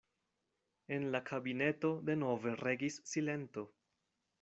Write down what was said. En la kabineto denove regis silento.